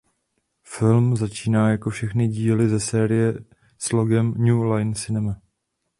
Film začíná jako všechny díly ze série s logem New Line Cinema.